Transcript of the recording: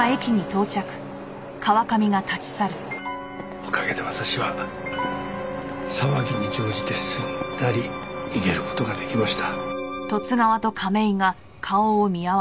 おかげで私は騒ぎに乗じてすんなり逃げる事ができました。